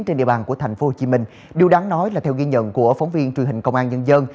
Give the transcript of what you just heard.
trên địa bàn của tp hcm điều đáng nói là theo ghi nhận của phóng viên truyền hình công an nhân dân